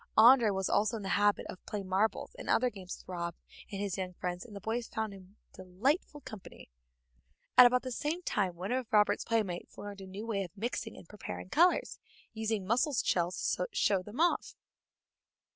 André was also in the habit of playing marbles and other games with Rob and his young friends, and the boys found him delightful company. At about the same time one of Robert's playmates learned a new way of mixing and preparing colors, using mussel shells to show them off.